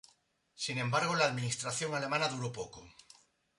Sin embargo, la administración alemana duró poco.